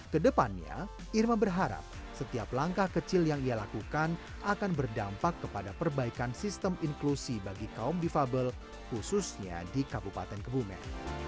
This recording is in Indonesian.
kedepannya irma berharap setiap langkah kecil yang ia lakukan akan berdampak kepada perbaikan sistem inklusi bagi kaum difabel khususnya di kabupaten kebumen